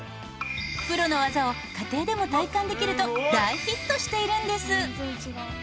プロの技を家庭でも体感できると大ヒットしているんです。